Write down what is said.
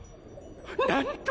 なんと！